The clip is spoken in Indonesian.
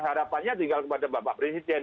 harapannya tinggal kepada bapak presiden